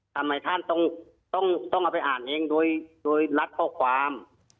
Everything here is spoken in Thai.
ทำไมท่านต้องเอาไปอ่านเองโดยรัดข้อความ